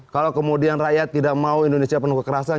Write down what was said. kalau kemudian rakyat tidak mau indonesia penuh kekerasan